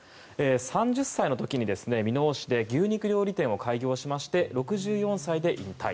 ３０歳の時に箕面市で牛肉料理店を開業しまして６４歳で引退。